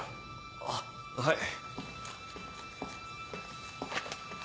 あっはい。